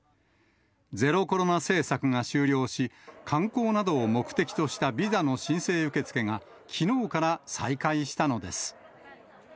ゼロコロナ政策が終了し、観光などを目的としたビザの申請受け付けが、きのうから再開したのです。